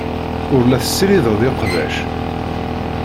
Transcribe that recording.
Ur la tessirideḍ iqbac.